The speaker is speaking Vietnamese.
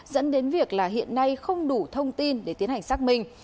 dẫn đến việc là hiện nay không đủ thông tin để tiến hành xác minh